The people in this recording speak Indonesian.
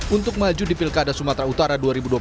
untuk maju di pilkada sumatera utara dua ribu dua puluh